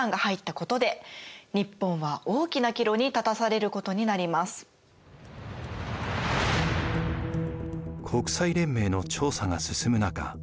そこに国際連盟の調査が進む中